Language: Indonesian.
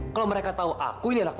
kalau mereka tau aku ini anak papa